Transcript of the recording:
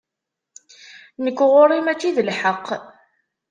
Nekk ɣur-i mačči d lḥeqq.